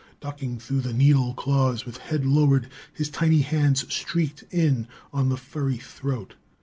Ducking through the needle claws with head lowered, his tiny hands streaked in on the furry throat.